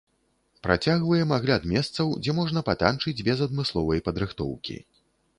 Працягваем агляд месцаў, дзе можна патанчыць без адмысловай падрыхтоўкі.